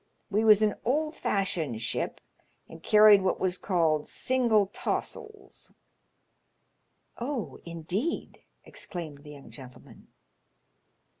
We was an old fashioned ship and carried what was called single taws'ls." " Oh, indeed," exclaimed the young gentleman.